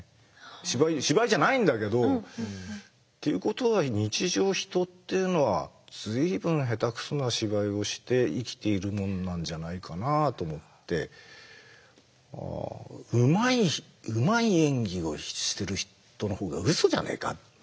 芝居芝居じゃないんだけど。ということは日常人っていうのは随分下手くそな芝居をして生きているもんなんじゃないかなと思ってうまい演技をしてる人のほうがうそじゃねえか？